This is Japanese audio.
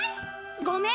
ごめん！